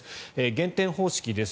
減点方式です。